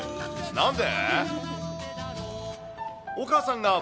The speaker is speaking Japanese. なんで？